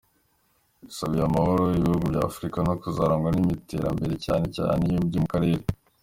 Yasabiye amahoro ibihugu bya Afurika no kuzarangwa n’iterambere cyane cyane ibyo mu Karere.